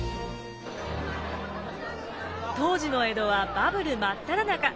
当時の江戸はバブル真っただ中。